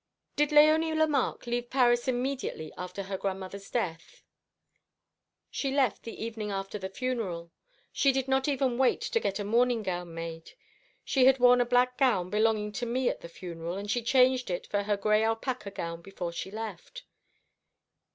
Did Léonie Lemarque leave Paris immediately after her grandmother's death?" "She left the evening after the funeral. She did not even wait to get a mourning gown made. She had worn a black gown belonging to me at the funeral, and she changed it for her gray alpaca gown before she left."